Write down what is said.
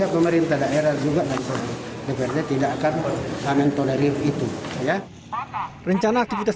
kemarin terdakir juga dan seperti tidak akan mentolerir itu ya rencana aktivitas